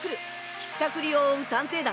引ったくりを追う探偵団